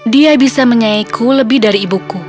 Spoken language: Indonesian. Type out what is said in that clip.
dia bisa menyayaiku lebih dari ibuku